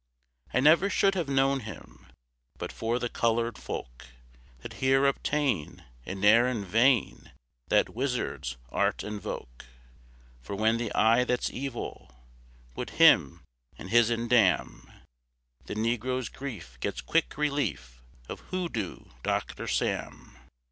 _ I never should have known him But for the colored folk That here obtain And ne'er in vain That wizard's art invoke; For when the Eye that's Evil Would him and his'n damn, The negro's grief gets quick relief Of Hoodoo Doctor Sam.